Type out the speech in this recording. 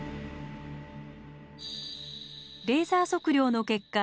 レーザー測量の結果